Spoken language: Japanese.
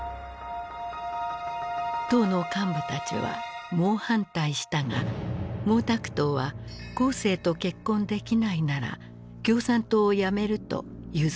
党の幹部たちは猛反対したが毛沢東は江青と結婚できないなら共産党を辞めると譲らなかった。